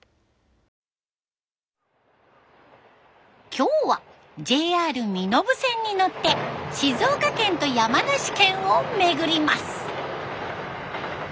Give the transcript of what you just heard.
今日はＪＲ身延線に乗って静岡県と山梨県を巡ります。